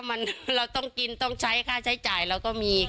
มันเราต้องกินต้องใช้ค่าใช้จ่ายเราก็มีค่ะ